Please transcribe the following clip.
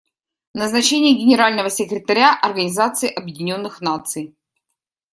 Назначение Генерального секретаря Организации Объединенных Наций.